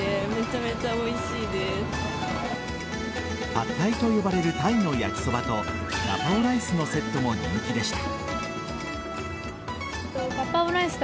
パッタイと呼ばれるタイの焼きそばとガパオライスのセットも人気でした。